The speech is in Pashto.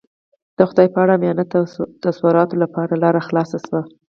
د خدای په اړه عامیانه تصوراتو لپاره لاره خلاصه شوه.